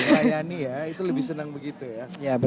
kayaknya itu lebih senang begitu ya